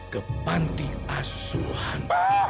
ke panti asuhan